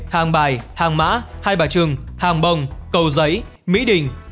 hàng bài hàng mã hai bà trường hàng bồng cầu giấy mỹ đình